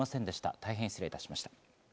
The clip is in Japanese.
大変、失礼いたしました。